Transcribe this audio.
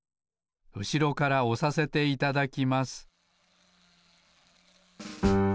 うしろからおさせていただきます